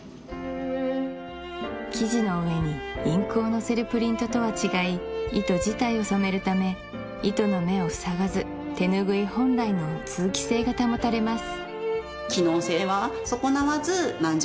生地の上にインクをのせるプリントとは違い糸自体を染めるため糸の目を塞がず手ぬぐい本来の通気性が保たれます